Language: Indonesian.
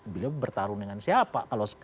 bila bertarung dengan siapa